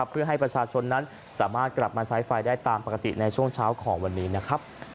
เพื่อให้ประชาชนนั้นสามารถกลับมาใช้ไฟได้ตามปกติในช่วงเช้าของวันนี้นะครับ